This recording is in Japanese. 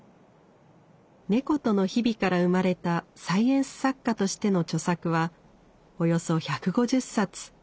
猫との日々から生まれたサイエンス作家としての著作はおよそ１５０冊。